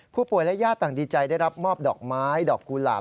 ผู้ป่วยและญาติต่างดีใจได้รับมอบดอกไม้ดอกกุหลาบ